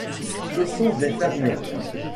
Ce sont des fermions.